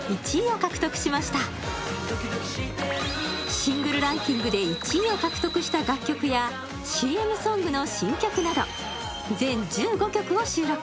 シングルランキングで１位を獲得した楽曲やＣＭソングの新曲など全１５曲を収録。